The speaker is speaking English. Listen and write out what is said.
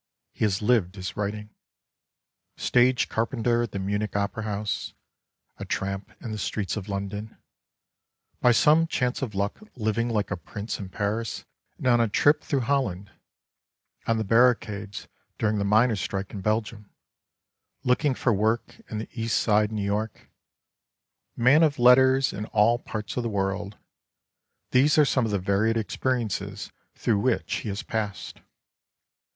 He has lived his writing. Stage carpenter at the Munich Opera House ;— a tramp in the streets of London ;— by some chance of luck living like a prince in Paris and on a trip through Holland ;— on the barricades during the miners' strike in Belgium ;— looking for work in the East side in New York ;— man of letters in all parts of the world, — these are some of the varied experiences through which he has passed.